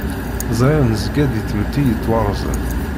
Ẓriɣ nezga-d deg tmetti yettwarzen.